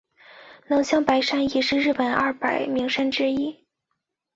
能乡白山也是日本二百名山之一。